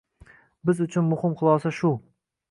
Biz uchun muhim xulosa shu.